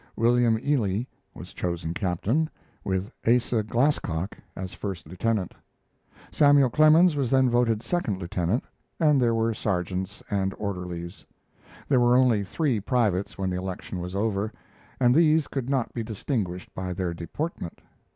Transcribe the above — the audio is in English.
William Ely was chosen captain, with Asa Glasscock as first lieutenant. Samuel Clemens was then voted second lieutenant, and there were sergeants and orderlies. There were only three privates when the election was over, and these could not be distinguished by their deportment.